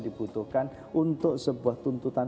dibutuhkan untuk sebuah tuntutan